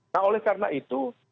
nah oleh karena itu